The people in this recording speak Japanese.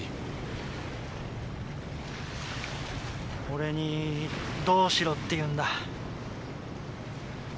俺にどうしろっていうんだ。